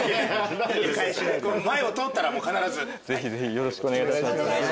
ぜひぜひよろしくお願いいたします。